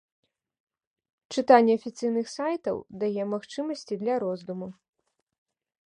Чытанне афіцыйных сайтаў дае магчымасці для роздуму.